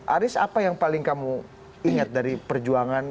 aris apa yang paling kamu ingat dari perjuangan